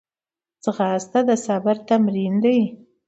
ځغاسته د صبر تمرین دی